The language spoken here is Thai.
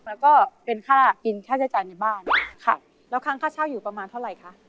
แล้วก็เป็นค่ากินค่าใช้จ่ายในบ้านค่ะแล้วค้างค่าเช่าอยู่ประมาณเท่าไหร่คะ